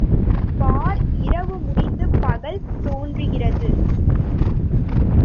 பார், இரவு முடிந்து பகல் தோன்றுகிறது.